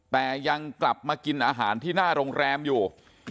แต่ยังกลับมากินอาหารที่หน้าโรงแรมอยู่